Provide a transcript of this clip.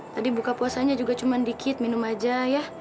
tadi buka puasanya juga cuma dikit minum aja ya